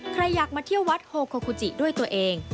ใครอยากมาเที่ยววัดโฮโคกุจิด้วยตัวเอง